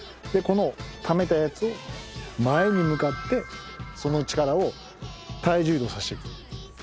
でこのためたやつを前に向かってその力を体重移動させてくる。